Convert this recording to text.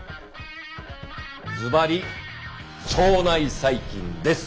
ずばり腸内細菌です。